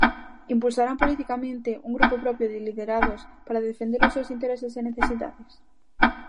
Impulsarán politicamente un grupo propio de liderados para defender os seus intereses e necesidades?